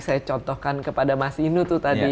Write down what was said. saya contohkan kepada mas inu tuh tadi